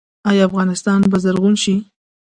آیا افغانستان به زرغون شي؟